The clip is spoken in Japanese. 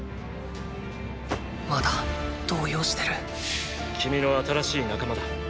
まだ動揺してる君の新しい仲間だ。